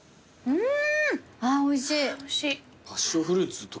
うん。